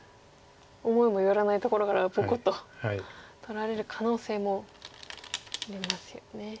思いもよらないところからポコッと取られる可能性もありますよね。